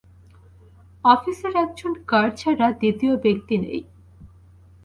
অফিসের একজন গার্ড ছাড়া দ্বিতীয় ব্যক্তি নেই।